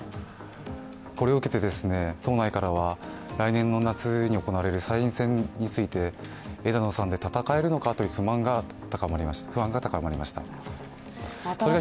これを受けて、党内からは来年の夏に行われる参院選について枝野さんで戦えるのかという不安が高まりました。